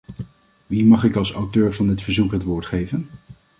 Wie mag ik als auteur van dit verzoek het woord geven?